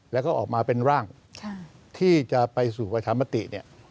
แล้วก็ออกมาเป็นร่างที่จะไปสู่ประชามติเนี่ย